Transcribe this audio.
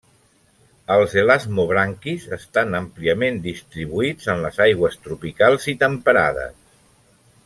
Els elasmobranquis estan àmpliament distribuïts en les aigües tropicals i temperades.